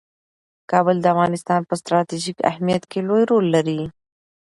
کابل د افغانستان په ستراتیژیک اهمیت کې لوی رول لري.